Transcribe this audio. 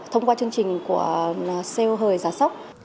thông qua chương trình của sale hời giá sóc